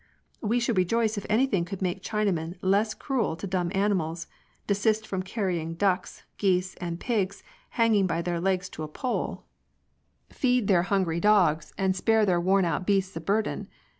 We should rejoice if anything could make Chinamen less cruel to dumb animals, desist from carrying ducks, geese, and pigs, hanging by their legs to a pole, feed CHRISTIANITY. 195 their hungry dogs, and spare their worn out beasts of burden.